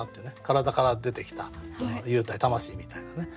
体から出てきた幽体魂みたいなね。